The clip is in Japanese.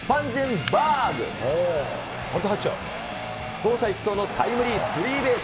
走者一掃のタイムリースリーベース。